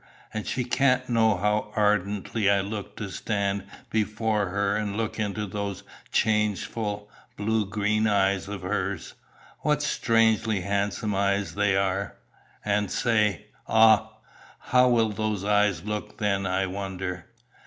And she can't know how ardently I long to stand before her and look into those changeful, blue green eyes of hers. What strangely handsome eyes they are And say Ah! how will those eyes look then, I wonder?"